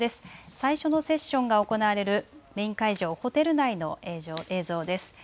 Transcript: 最初のセッションが行われるメイン会場、ホテル内の映像です。